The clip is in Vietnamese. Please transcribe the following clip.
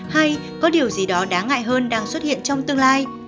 hay có điều gì đó đáng ngại hơn đang xuất hiện trong tương lai